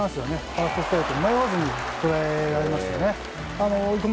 ファーストストライク迷わずに捉えられましたね。